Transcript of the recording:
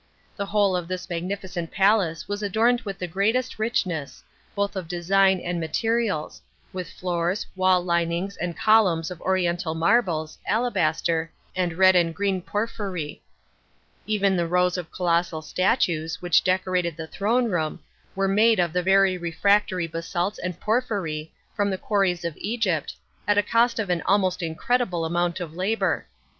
The whole of this magnificent palace was adorned witli the greatest richness, both of design and materials, with floors, wall linings, and columns of oriental marbles, alabaster, and red and green porphyry. Even the rows of colossal statues, which decorated the throne room, were made of the very refractory basalts and porphyry from the quarries of Egypt, at a cost of an almost incredible amount of labour.